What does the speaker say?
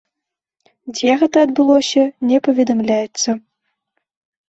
Дзе гэта адбылося, не паведамляецца.